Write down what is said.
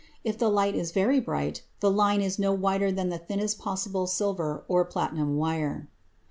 If the light is very bright, the line is no wider than the thinnest possible silver or platinum wire.